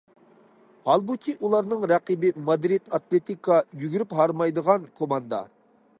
ھالبۇكى ئۇلارنىڭ رەقىبى مادرىد ئاتلېتىكا« يۈگۈرۈپ ھارمايدىغان» كوماندا.